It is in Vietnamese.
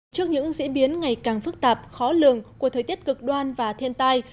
trước những diễn biến ngày càng phức tạp khó lường của thời tiết cực đoan và thiên tai